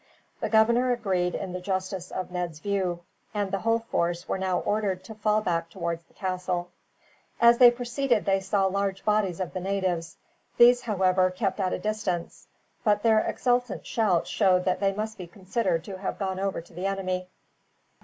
The governor agreed in the justice of Ned's view, and the whole force were now ordered to fall back towards the castle. As they proceeded they saw large bodies of the natives. These, however, kept at a distance; but their exultant shouts showed that they must be considered to have gone over to the enemy.